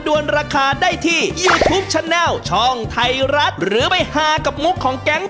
หน้าลุงผมหายไปแถมหนึ่ง